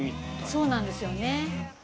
そうなんですよね。